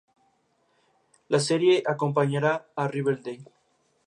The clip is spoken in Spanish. La serie acompañará a "Riverdale".